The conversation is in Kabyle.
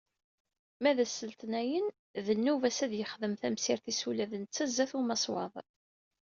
Ma d ass n letnayen, d nnuba-as ad d-yexdem tamsirt-is ula d netta sdat umaswaḍ.